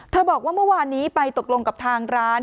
บอกว่าเมื่อวานนี้ไปตกลงกับทางร้าน